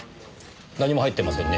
何も入ってませんね。